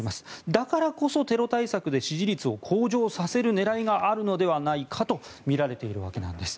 だからこそテロ対策で支持率を向上させる狙いがあるのではないかとみられているわけなんです。